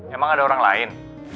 emang ada orang lain